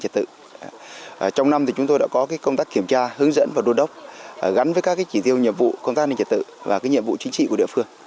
trong năm thì chúng tôi đã có công tác kiểm tra hướng dẫn và đôn đốc gắn với các chỉ tiêu nhiệm vụ công tác an ninh trật tự và nhiệm vụ chính trị của địa phương